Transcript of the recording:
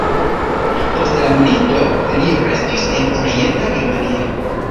Post la milito li restis en Orienta Germanio.